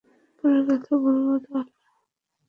পরে কথা বলব তাহলে।